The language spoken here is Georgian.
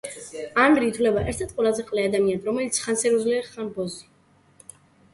შემდგომში სწავლა გააგრძელა აზერბაიჯანის სახელმწიფო უნივერსიტეტის თანამედროვე ლიტერატურის კათედრის ასპირანტურაში.